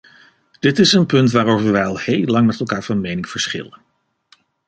Dit is een punt waarover wij al heel lang met elkaar van mening verschillen.